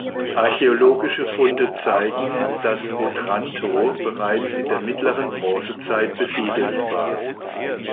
Archäologische Funde zeigen, dass Otranto bereits in der mittleren Bronzezeit besiedelt war.